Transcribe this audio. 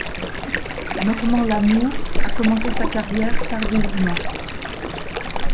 Normand L'Amour a commencé sa carrière tardivement.